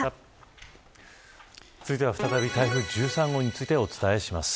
続いては再び、台風１３号についてお伝えします。